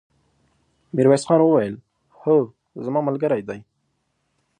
ميرويس خان وويل: هو، زما ملګری دی!